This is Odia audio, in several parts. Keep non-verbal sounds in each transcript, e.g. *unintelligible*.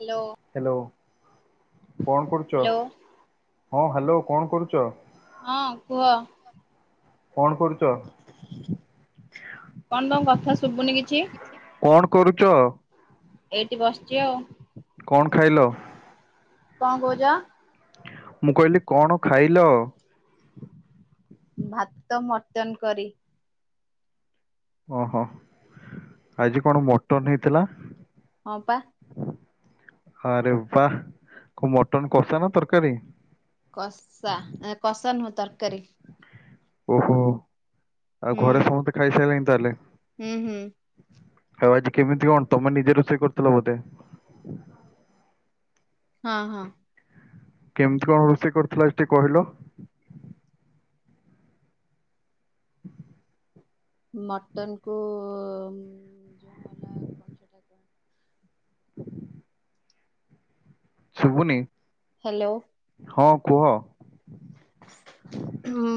ହ୍ୟାଲୋ। ହ୍ୟାଲୋ କଣ କରୁଚ ହ୍ୟାଲୋ ହଁ ହାଲୋ କଣ କରୁଚ? ହଁ କୁହ। କଣ କରୁଚ? କଣ ତମ କଥା ଶୁବୁନି କିଛି। କଣ କରୁଚ? ଏଇଟି ବସିଚି ଆଉ। କଣ ଖାଇଲ? କଣ କଉଚ? ମୁଁ କହିଲି କଣ ଖାଇଲ? ଭାତ ମଟନ୍ କରି। ଓହୋ ଆଜି କଣ ମଟନ୍ ହେଇଥିଲା। ହଁ ପା। ଆରେ ବା କୋ ମଟନ୍ କଷା ନାଁ ତରକାରୀ? କଷା ଏକଷା ନୁହଁ ତରକାରୀ। ଓହୋ ଆଉ ହୁଁ ଘରେ ସମସ୍ତେ ଖାଇସାରି ଲେଣି ତାହେଲେ? ହୁଁ ହୁଁ। ଆଉ ଆଜି କେମିତି କଣ ତମେ ନିଜ ରୋଷେଇ କରୁଥିଲ ବୋଧେ? ହଁ ହଁ। କେମିତି କଣ ରୋଷେଇ କରୁଥିଲ ଅଜିଟିକେ କହିଲ। ହ। *unintelligible* ମଟନ କୁ ଯଉ ହେଲା କଣ ସେ ଟା କୁହଁନ୍ତି ଶୁବୁନି? ହାଲୋ। ହଁ କୁହ? ହୁଁ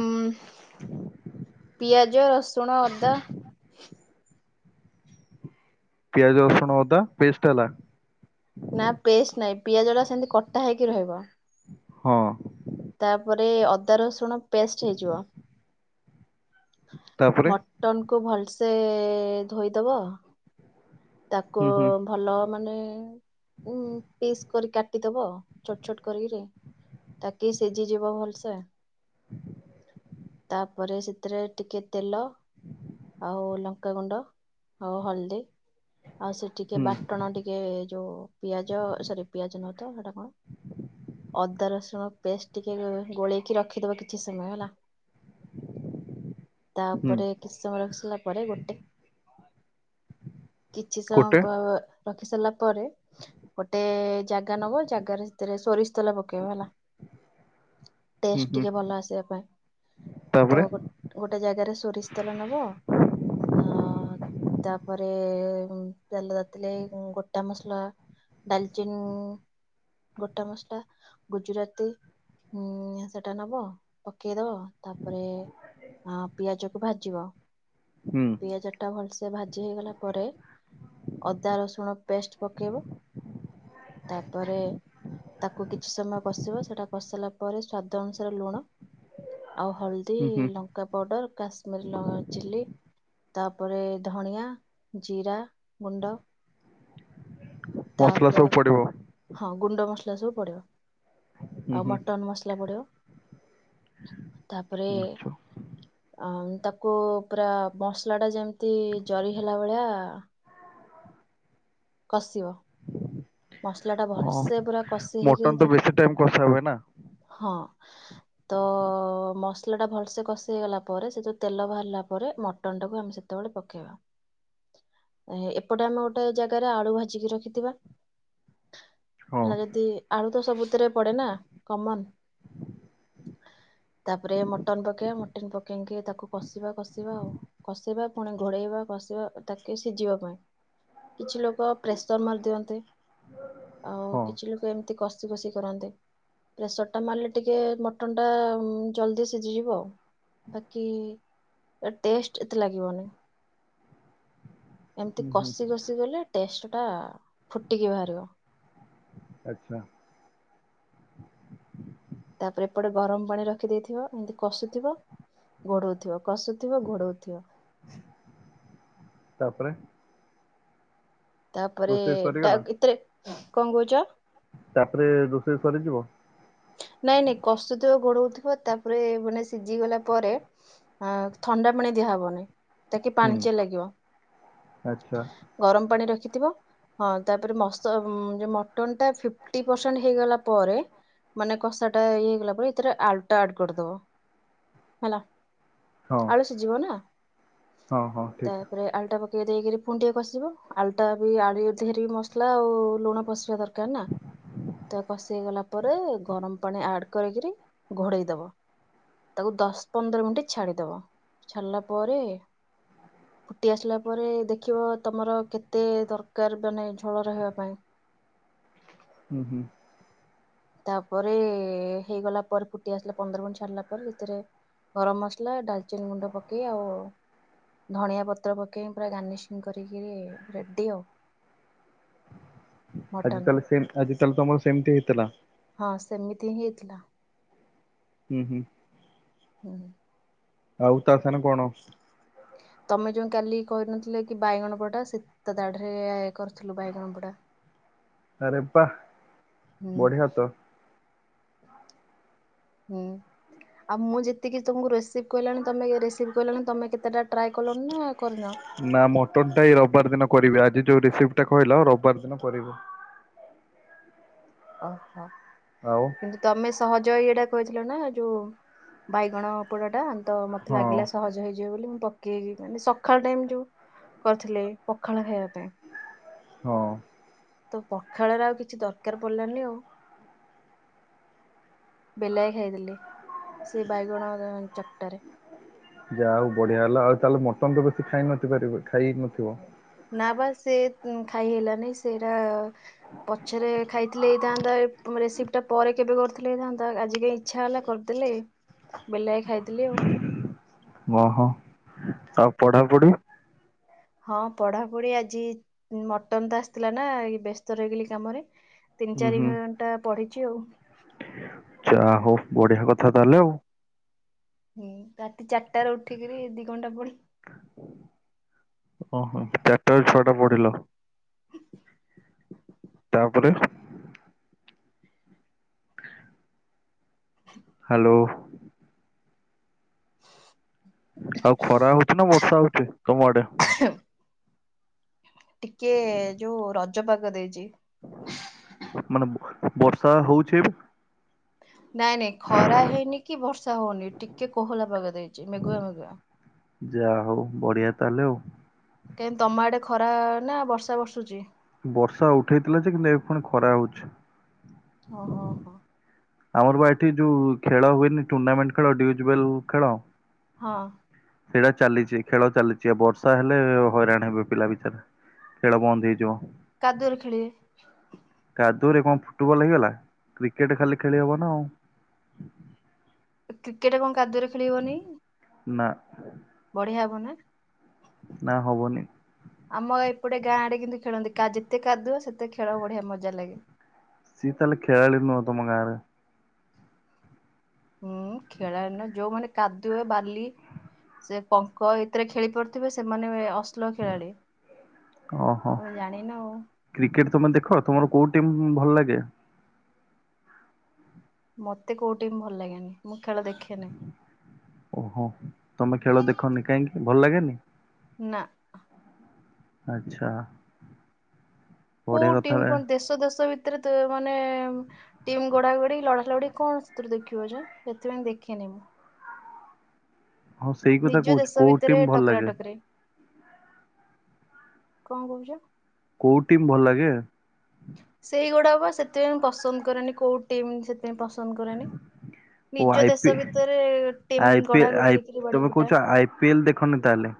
ପିଆଜ ରସୁଣ ଅଦା ପିଆଜ ରସୁଣ ଅଦା ପେଷ୍ଟଟେ ହେଲା? ନା ପେଷ୍ଟ ନହିଁ ପିଆଜ ଟା ସେମିତି କଟା ହେଇକି ରହିବ। ହଁ। ତାପରେ ଅଦା ରସୁଣ ପେଷ୍ଟ ହେଇଯିବ ମ। ତାପରେ ମଟନକୁ ଭଲସେ ଧୋଇଦେବ। ତାକୁ ହୁଁ ହୁଁ ଭଲ ମାନେ ଉ ପିସ୍ କରି କାଟିଦବ ଛୋଟ ଛୋଟ କରିକି। ତାକି ସିଝି ଯିବ ଭଲସେ। ହ। ତାପରେ ସେଥିରେ ଟିକେ ତେଲ ଆଉ ଲଙ୍କାଗୁଣ୍ଡ ଆଉ ହଳଦୀ ଆଉ ସେ ଟିକେ ହୁଁ ବାଟଣ ଟିକେ ଯୋଉ ପିଆଜ ସରି ପିଆଜ ନୁହ ତ ସେଟା କଣ। ଅଦା ରସୁଣ ପେଷ୍ଟ ଟିକେ ଗୋଳେଇକି ରଖିଦବ କିଛି ସମୟ ହେଲା। ହୁଁ ତାପରେ କି ସମମୟ ରଖିସାରିଲା ପରେ ଗୋଟେ କିଛି ଗୋଟେ ସମୟ ରଖି ସାରିଲା ପରେ ଗୋଟେ ଜାଗା ନବ ଜାଗାରେ ସେଥିରେ ସୋରିଷ ତେଲ ପକେଇବ ହେଲା। *unintelligible* ଟେଷ୍ଟ ଟିକେ ଭଲ ଆସିବା ପାଇଁ ତ ତାପରେ ଗୋ ଗୋଟେ ଜାଗାରେ ସୋରିଷ ତେଲ ନବ ଅ ତାପରେ ଏ ତେଲ ତାତିଲେ ଗୋଟା ମସଲା ଡାଲଚିନି ଗୋଟା ମସଲା ଗୁଜୁରାତି ହୁଁ ସେଟା ନବ ପକେଇଦବ ତାପରେ ହଁ ପିଆଜ କୁ ଭାଜିବ ହୁଁ ପିଆଜ ଟା ଭଲସେ ଭାଜି ହେଇଗଲା ପରେ ଅଦା ରସୁଣ ପେଷ୍ଟ ପକେଇବ ତାପରେ ତାକୁ କିଛି ସମୟ କଷିବ ସେଟା କଷିଲା ପରେ ସ୍ଵାଦ ଅନୁସାରେ ଲୁଣ ଆଉ ହଳଦୀ ଦୀ ହୁଁ ହୁଁ ଲଙ୍କା ପାଉଡ଼ର କାଶ୍ମୀମିରୀ ଲଙ୍କା ଚିଲ୍ଲି ତାପରେ ଧଣିଆ ଜିରା ଗୁଣ୍ଡ ମସଲା ତାପ ସବୁ ପଡିବ? ହଁ ଗୁଣ୍ଡ ମସଲା ସବୁ ପଡିବ ହୁଁ ଆଉ ହୁଁ ମଟନ ମସଲା ପଡିବ ତାପରେ ଆଛା ଆ ତାକୁ ପୁରା ମସଲା ଟା ଯେମିତି ଜରି ହେଲା ଭଳିଆ କସିବ ମସଲା ଟା ହଁ ଭଲସେ ପୁରା କଷି ହେଇଯିବ ମଟନ ତ ବେଶୀ ଟାଇମ କଷା ହୁଏ ନା ଜେତବେଳେ ହଁ। ତ ମସଲା ଟା ଭଲସେ କଷେଇଗଲା ପରେ ସେ ଯୋଉ ତେଲ ବାହାରିଲା ପରେ ମଟନ ଟାକୁ ଆମେ ସେ ସତବେଳେ ପକେଇବା *inaudible* ଏ ହେ ଏପଟେ ଆମେ ଗୋଟେ ଜାଗାରେ ଆଳୁ ଭାଜିକି ରଖିଥିବା। ହଁ ହେଲା ଯଦି ଆଳୁ ତ ସବୁଥିରେ ପଡେ ନା କମନ୍। *inaudible* ତାପରେ ମଟନ୍ ପକେଇବା ମଟନ୍ ପକେଇକି ତାକୁ କଷିବା କଷିବା ଆଉ। କଷିବା ପୁଣି ଘୋଡେଇବା କଷିବା ତାକେ ସିଜିବା ପାଇଁ। କିଛି ଲୋକ ପ୍ରେସର୍ ମାରି ଦିଅନ୍ତି। *inaudible* ଆଉ କିଛି ଲୋକ ଏମତି କଷି କଷି କରନ୍ତି। ପ୍ରେସର ଟା ମାରିଲେ ଟିକେ ମଟନ୍ ଟା ଉଁ, ଜଲଦି ସିଜିଯିବ। ବାକି ଏ ଟେଷ୍ଟ ଏତେ ଲାଗିବନି। *inaudible* ଏମିତି ହୁଁ ହୁଁ କଷି କଷି ଗଲେ ଟେଷ୍ଟ ଟା ଫୁଟିକି ବାହାରିବ। ଆଚ୍ଛା। ତାପରେ ଏପଟେ ଗରମ ପାଣି ରଖିଦେଇଥିବ। ଏମିତି କଷୁଥିବ ଗୋଡଉଥିବ। କଷୁଥିବ ଘୋଡଉଥିବ। ତାପରେ। ତାପରେ ରୋଷେଇ ଡା ସରିଗଲା ଏତେରେ ହଁ କଣ କହୁଚ? ତାପରେ ରୋଷେଇ ସରିଯିବ? ନାଇଁ ନାଇଁ କଷୁଥିବ ଘୋଡଉଥିବ। ତାପରେ ମାନେ ସିଜିଗଲା ପରେ ଆ, ଥଣ୍ଡା ପାଣି ଦିଆହବନି ତାକି ହୁଁ ପାଣିଚିଆ ଲାଗିବ। ଆଚ୍ଛା ଗରମ ପାଣି ରଖିଥିବ। ହଁ ତାପରେ ମସ ଯୋଉ ମଟନ୍ ଟା ଫିଫ୍ଟି ପରସେଣ୍ଟ ହେଇଗଲା ପରେ। ମାନେ କଷା ଟା ଇଏ ହେଇଗଲା ପରେ ଏଥିରେ ଆଳଟା ଆଡ୍ କରିଦବ ହେଲା। ହଁ ଆଳୁ ସିଜିବ ନା ହଁ ହଁ ଠିକ ତାପରେ ଆଳୁଟା ପକେଇ ଦେଇକିରି ପୁଣି ଟିକେ କଷିବ। ଆଳୁଟା ବି ଆଳି ଧିଅରେ ବି ମସଲା ଆଉ ଲୁଣ ପଶିବା ଦରକାର ନା। ତ କଷି ହେଇଗଲା ପରେ ଗରମ ପାଣି ଆଡ୍ କରିକିରି ଘୋଡେଇ ଦବ। ତାକୁ ଦଶ ପନ୍ଦର ମିନିଟ୍ ଛାଡିଦବ। ଛାଡିଲା ପରେ ଫୁଟି ଆସିଲା ପରେ ଦେଖିବ ତୋମର କେତେ ଦରକାର ମାନେ ଝୋଳ ରହିବା ପାଇଁ? ହୁଁ, ହୁଁ। ତାପରେ ହେଇଗଲା ପରେ ଫୁଟି ଆସିଲା ପନ୍ଦର ମିନିଟ୍ ଛାଡିଲା ପରେ ସେଥିରେ ଗରମ ମସଲା ଡାଲଚିନି ଗୁଣ୍ଡ ପକେଇ ଆଉ ଧଣିଆ ପତ୍ର ପକେଇ ପୁରା ଗାର୍ନିସିଂ କରିକିରି ରେଡ଼ି ଆଉ। ଆଜି ମଟନ। ତାହେଲେ ସେମ, ଆଜି ତାହେଲେ ତୋମର ସେମିତି ହେଇଥିଲା? ହଁ ସେମିତି ହିଁ ହେଇଥିଲା। ହୁଁ, ହୁଁ। ହଁ, ହଁ। ଆଉ ତା ସାନ କଣ? ତୋମେ ଯୋଉ କାଲି କହିନଥିଲ କି ବାଇଗଣ ବଡା ସେ ତା ଦାଢରେ କରଥିଲୁ ବାଇଗଣ ବଡା। ଆରେ ବା ହୁଁ, ବଢିଆ ତ ହୁଁ, ଆଉ ମୁଁ ଯେତିକି ତୁମକୁ ରେସିଭ୍ କହିଲାଣି ତୋମେ ଏ ରେସିଭ୍ କହିଲଣି। ତୋମେ କେତେଟା ଟ୍ରାଏ କଲଣି ନା କରିନ? ନା ମଟନ୍ ଟା ଏଇ ରବବାର ଦିନ କରିବି ଆଜି ଯୋଉ ରେସିପ୍ ଟା କହିଲ ରବବାର ଦିନ କରିବୁ। ଓହୋ। ଆଉ। କିନ୍ତୁ ତୋମେ ସହଜ ଏଇଟା କହିଥିଲ ନା ଯୋଉ ବାଇଗଣ ପୋଡ଼ାଟାତ ମୋତେ ହଁ ଲାଗିଲା ସହଜ ହେଇଯିବ ବୋଲି ମୁଁ ପ କି ଯେ ମାନେ ସଖାଳ ଟାଇମ୍ ଯୋଉ କରିଥିଲେ ପଖାଳ ଖାଇବା ପାଇଁ। ହଁ। ତ ପଖାଳରେ ଆଉ କିଛି ଦରକାର ପଡିଲାନି ଆଉ। ବେଲାଏ ଖାଇିଦେଲି ସେ ବାଇଗଣ ଦ-ଚକଟାରେ। ଯାହା ହଉ ବଢ଼ିଆ ହେଲା ଆଉ ତାହେଲେ ମଟନ୍ ତ ବେଶୀ ଖାଇ *unintelligible* ଖାଇ ନଥିବ। ନା ବା ସେ ଖାଇ ହେଲାନି ସେଇରା ପଛରେ ଖାଇଥିଲେ ହେଇଥାନ୍ତା ରେସିପି ଟା ପରେ କେବେ କରିଥିଲେ ହେଇଥାନ୍ତା ଆଜି କାଇଁ ଇଚ୍ଛା ହେଲା। କରିଦେଲେ ବେଲାଏ ଖାଇଦେଲି ଆଉ। ଓ ହୋ ଆଉ ପଢ଼ାପଢ଼ି? ହଁ ପଢ଼ାପଢ଼ି ଆଜି ମଟନ୍ ତ ଆସିଥିଲା ନା ବ୍ୟସ୍ତ ରହିଗଲି କାମରେ। ତିନି ହୁଁ ଚାରି ହୁଁ ଘଣ୍ଟା ପଢ଼ିଛି ଆଉ। ଯାହା ହଉ ବଢ଼ିଆ କଥା ତାହେଲେ ଆଉ। ହୁଁ ରାତି ଚାରିଟା ରୁ ଉଠିକିରି ଦି ଘଣ୍ଟା ପଢି଼ ଓ ହୋ ଚାରିଟା ରୁ ଛଅଟା ପଢି଼ଲ। ତାପରେ? ହ୍ୟାଲୋ। ଆଉ ଖରା ହଉଛି ନା ବର୍ଷା ହଉଛି ତମ ଆଡ଼େ? ଟିକେ ଯୋଉ ରଜ ପାଗ ଦେଇଛି। ମାନେ ବର୍ଷା ହଉଛି ନାଇଁ ନାଇଁ ଖରା ହେଇନି କି ବର୍ଷା ହଉନି ଟିକେ କୋହଲା ପାଗ ଦେଇଛି ମେଘୁଆ ମେଘୁଆ। ଯାହା ହଉ ବଢ଼ିଆ ତାହେଲେ ଆଉ। କାହିଁ ତମ ଆଡ଼େ ଖରା ନା ବର୍ଷା ବର୍ଷୁଛି? ବର୍ଷା ଉଠେଇଥିଲା ଯେ କିନ୍ତୁ ଏବେ ପୁଣି ଖରା ହଉଛି। ଓ ହୋ ହୋ। ଆମର ବା ଏଠି ଯୋଉ ଖେଳ ହୁଏନି ଟୁର୍ଣ୍ଣାମେଣ୍ଟ୍ ଖେଳ *unintelligible* ଖେଳ। ହଁ। ଖେଳ ଚାଲିଛି ଖେଳ ଚାଲିଛି ବର୍ଷା ହେଲେ ହଇରାଣ ହେବେ ପିଲା ବିଚାରା। ଖେଳ ବନ୍ଦ ହେଇଯିବ। କାଦୁଅରେ ଖେଳିବେ। କାଦୁଅ ରେ କଣ ଫୁଟବଲ୍ ହେଇଗଲା କ୍ରିକେଟ ଖାଲି ଖେଳି ହବନା ଆଉ। କ୍ରିକେଟ୍ କଣ କାଦୁଅରେ ଖେଳିହବନି? ନାଁ। ବଢ଼ିଆ ହବ ନା। ନା ହବନି। ଆମ ଏପଟେ ଗାଁ ଆଡ଼େ କିନ୍ତୁ ଖେଳନ୍ତି କା ଯେତେ କାଦୁଅ ସେତେ ଖେଳ ବଢ଼ିଆ ମଜା ଲାଗେ। ସିଏ ତାହେଲେ ଖେଳାଳି ନୁହଁ ତମ ଗାଁରେ। ହୁଁ ଖେଳାଳି ନୁହଁ ଯୋଉମାନେ କାଦୁଏ ବାଲି ସେ ପଙ୍କ ଏଥିରେ ଖେଳି ପାରୁଥିବେ ସେମାନେ ଅସ ଭଲ ଖେଳାଳି ତମେ ଜାଣିନ ଆଉ। କ୍ରିକେଟ୍ ତମେ ଦେଖ ତୁମର କୋଉ ଟିମ୍ ଭଲ ଲାଗେ? ମତେ କୋଉ ଟିମ୍ ଭଲ ଲାଗେନି ମୁଁ ଖେଳ ଦେଖେ ନାହିଁ। ଓ ହୋ ତମେ ଖେଳ ଦେଖନି କାହିଁକି ଭଲ ଲାଗେନି? ନାଁ। ଆଚ୍ଛା। ବଢିଆ କୋଉ ଟିମ୍ କଥାରେ କଣ ଦେଶ ଦେଶ ଭିତରେ ତ ମାନେ ଟିମ୍ ଗୋଡା଼ ଗୋଡ଼ି ଲଢା଼ ଲଢି଼ କଣ ସେଥିରୁ ଦେଖିବ ଯେ ସେଥିପାଇଁ ଦେଖେନି ମୁଁ। ହଁ ସେଇ କଥା ନିଜ କହୁଛୁ ଦେଶ କୋଉ ଭିତରେ ଟିମ୍ ଭଲ ଟକରା ଲାଗେ ଟକରି କଣ କହୁଛ? କୋଉ ଟିମ୍ ଭଲ ଲାଗେ? ସେଗୁଡ଼ାକ ସେଥିପାଇଁ ମୁଁ ପସନ୍ଦ କରେନି କୋଉ ଟିମ୍ ସେଥିପାଇଁ ପସନ୍ଦ କରେନି। ଓ ନିଜ ଆଇ ପି ଦେଶ ଭିତରେ ଟିମ ଆଇ ପି ଗଢ଼ା ଗୋଢ଼ି ଆଇ ହେଇକରି ତମେ ବାଡି଼ଆ କହୁଛ ପିଟା ଆଇ ପି ଏଲ ଦେଖନି ତାହେଲେ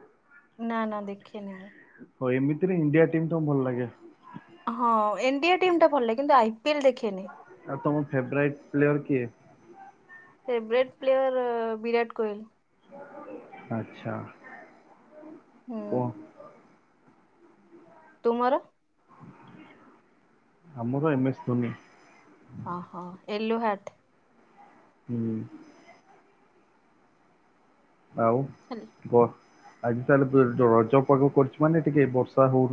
ନା ନା ଦେଖେନି ମୁଁ। ହଉ ଏମିତିରେ ଇଣ୍ଡିଆ ଟିମ୍ ତମକୁ ଭଲ ଲାଗେ। ହଁ ଇଣ୍ଡିଆ ଟିମ୍ ଟା ଭଲ କିନ୍ତୁ ଆଇ ପିଏଲ ଦେଖେନି। ଆଉ ତମ ଫେବ୍ରାଇଟ୍ ପ୍ଲେୟର୍ କିଏ? Favourite player Virat Kohli. ଆଚ୍ଛା। କୁହ *inaudible* ତୁମର ଆମର ଏମ୍ ସ୍ ଧୋନି। *inaudible* *inaudible* ଆଉ ଲି *unintelligible* ଆଜି ତା'ହେଲେ ରଜ ପର୍ବ ମାନେ ଟିକେ ବର୍ଷା ହଉ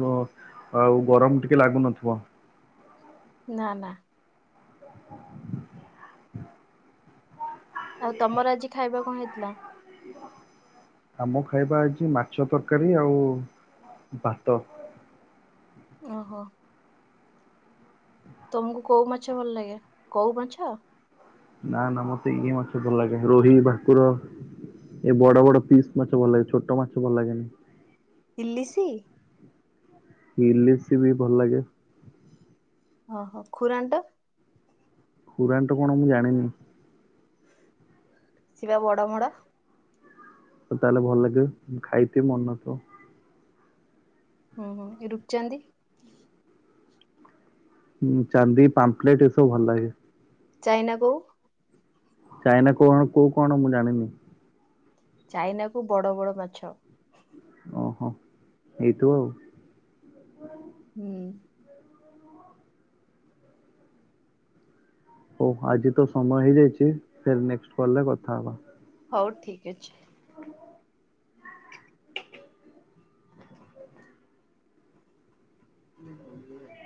ଆଉ ଗରମ୍ ଟିକେ ଲାଗୁ ନ--ବ। *inaudible* *unintelligible* ଆଉ ତମର ଆଜି ଖାଇବା କ'ଣ ହେଇଥ୍ଲା? ଆମ ଖାଇବା ଆଜି ମାଛ ତର୍କାରୀ ଆଉ ବାତ। *inaudible* ତମୁକୁ କଉ ମାଛ ଭଲ୍‌ ଲାଗେ କଉ ମାଛ? ନା ନା, ମତେ ଇଏ ମାଛ ଭଲ୍‌ ଲାଗେ ରୋହି, ଭାକୁର। ଏ ବଡ଼ ବଡ଼ ପିସ୍ ମାଛ ଭଲ୍‌ ଲାଗେ, ଛୋଟ ମାଛ ଭଲ ଲାଗେନି। ଇଲିସି ଇଲିସି ବି ଭଲ୍ ଲାଗେ। *inaudible* ଖୁରା କ'ଣ, ମୁଁ ଜାଣିନି। *inaudible* ତା'ହେଲେ ଭଲ୍‌ ଲାଗେ, ମୁଁ ଖାଇ ବି ମନ୍‌ ନଥିବ। ଓହଃ, ଏ ରୂପ୍ଚାନ୍ଦି ହୁଁ ଚାନ୍ଦି, ପାମ୍ପ୍ଲେଟ୍ ଏସବୁ ଭଲ୍ ଲାଗେ। ଚାଇନା କଉ ଚାଇନା, କଉ କ'ଣ ମୁଁ ଜାଣିନି। ଚାଇନା ବଡ଼ ବଡ଼ ମାଛ। *inaudible* ହୁଁ ଆଜି ତ ସମୟ ହେଇଯାଇଚି, ଫିର୍ ନେକ୍ସଟ୍ କଲ୍ ରେ କଥା ହବା। ହଉ ଠିକ୍ ଅଛି। *inaudible* *inaudible*